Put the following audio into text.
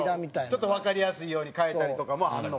ちょっとわかりやすいように変えたりとかもあるのか。